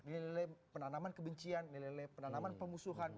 nilai nilai penanaman kebencian nilai nilai penanaman pemusuhan